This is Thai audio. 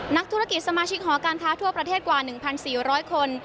นักธุรกิจสมาชิกหอการค้าทั่วประเทศกว่า๑๔๐๐คน